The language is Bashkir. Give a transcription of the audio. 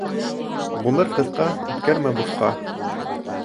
Ғүмер ҡыҫҡа, үткәрмә бушҡа.